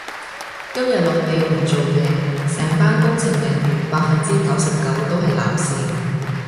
今日落地盤做嘢，成班工程人員百分之九十九都係男士